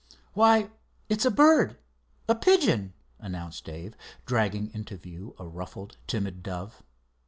"Why, it's a bird—a pigeon," announced Dave, dragging into view a ruffled, timid dove.